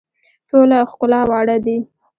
ټوله ښکلا واړه دي.